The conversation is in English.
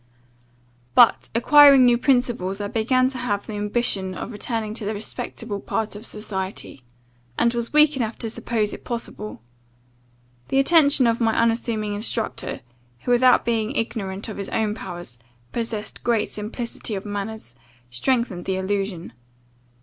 But, acquiring new principles, I began to have the ambition of returning to the respectable part of society, and was weak enough to suppose it possible. The attention of my unassuming instructor, who, without being ignorant of his own powers, possessed great simplicity of manners, strengthened the illusion.